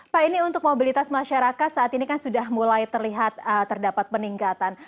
pak ini untuk mobilitas masyarakat saat ini kan sudah mulai terlihat terdapat peningkatan